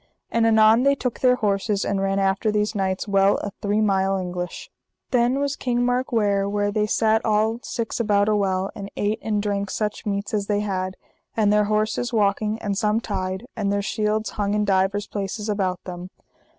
And anon they took their horses and ran after these knights well a three mile English. Then was King Mark ware where they sat all six about a well, and ate and drank such meats as they had, and their horses walking and some tied, and their shields hung in divers places about them.